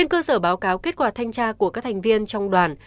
trên cơ sở báo cáo kết quả thanh tra của các thành viên trong đoàn